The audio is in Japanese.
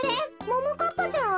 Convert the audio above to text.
ももかっぱちゃん？